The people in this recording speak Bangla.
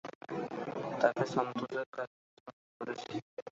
তাকে সান্তোসের কাছে হস্তান্তর করেছি।